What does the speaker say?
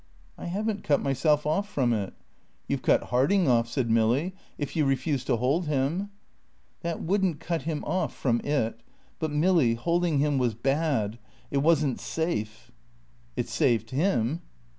"I haven't cut myself off from it." "You've cut Harding off," said Milly. "If you refuse to hold him." "That wouldn't cut him off from It. But Milly, holding him was bad; it wasn't safe." "It saved him."